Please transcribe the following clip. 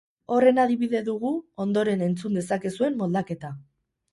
Horren adibide dugu ondoren entzun dezakezuen moldaketa.